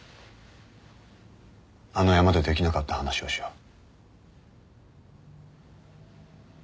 あの山でできなかった話をしよう